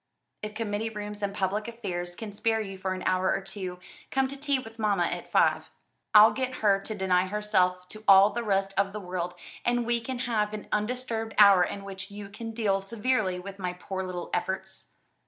"If committee rooms and public affairs can spare you for an hour or two, come to tea with mamma at five. I'll get her to deny herself to all the rest of the world, and we can have an undisturbed hour in which you can deal severely with my poor little efforts."